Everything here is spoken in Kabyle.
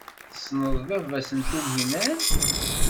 Tessneḍ baba-s n Tunhinan.